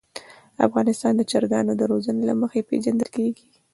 افغانستان د چرګانو د روزنې له مخې پېژندل کېږي.